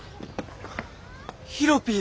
ヒロピー？